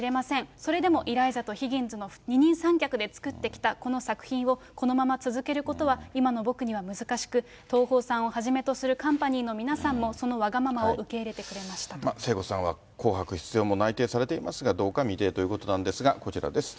それでもイライザとヒギンズの二人三脚で作ってきたこの作品を、このまま続けることは、今の僕には難しく、東宝さんをはじめとするカンパニーの皆さんも、そのわがままを受聖子さんは紅白出場も内定されていますが、どうか未定ということで、こちらです。